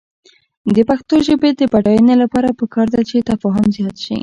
د پښتو ژبې د بډاینې لپاره پکار ده چې تفاهم زیات شي.